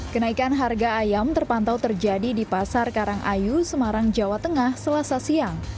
kenaikan harga ayam terpantau terjadi di pasar karangayu semarang jawa tengah selasa siang